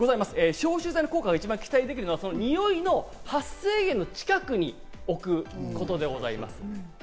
消臭剤の効果が一番期待できるのはニオイの発生元の近くに置くことでございます。